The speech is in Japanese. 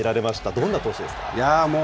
どんな投手ですか？